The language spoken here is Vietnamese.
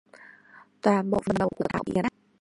Toàn bộ phần đầu của Thảo bị nghiền nát